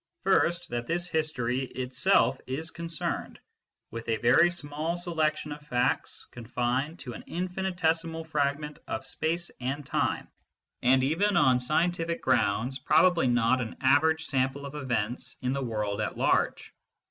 First, that this history itself is concerned with a very small selection of facts confined to an infinitesimal fragment of space and time, and even on scientific grounds probably not an average sample of events in the world at large.